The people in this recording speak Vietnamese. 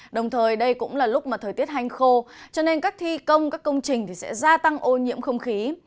đồng thời đây cũng là lúc mà thời tiết hanh khô cho nên cách thi công các công trình sẽ gia tăng ô nhiễm không khí